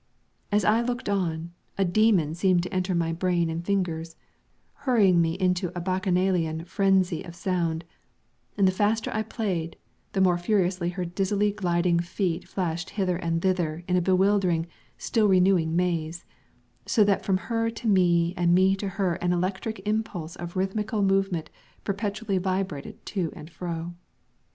As I looked on, a demon seemed to enter my brain and fingers, hurrying me into a Bacchanalian frenzy of sound; and the faster I played, the more furiously her dizzily gliding feet flashed hither and thither in a bewildering, still renewing maze, so that from her to me and me to her an electric impulse of rhythmical movement perpetually vibrated to and fro.